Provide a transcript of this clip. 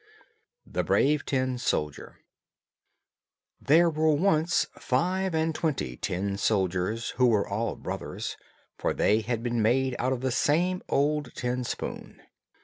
THE BRAVE TIN SOLDIER There were once five and twenty tin soldiers, who were all brothers, for they had been made out of the same old tin spoon.